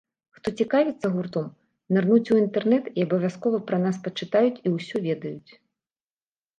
Хто цікавіцца гуртом, нырнуць у інтэрнэт і абавязкова пра нас пачытаюць і ўсё ведаюць.